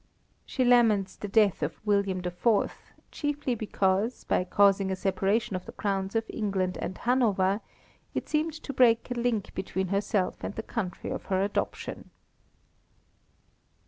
She laments the death of William IV., chiefly because, by causing a separation of the crowns of England and Hanover, it seemed to break a link between herself and the country of her adoption.